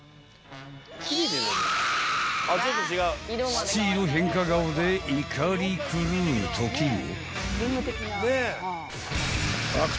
［土色変化顔で怒り狂うときも］